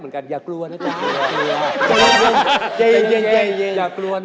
ไม่อยากเลย